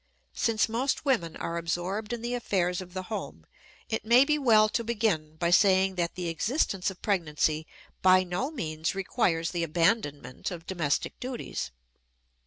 Since most women are absorbed in the affairs of the home, it may be well to begin by saying that the existence of pregnancy by no means requires the abandonment of domestic duties.